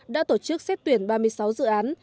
đã tổ chức xét tuyển ba mươi sáu dự án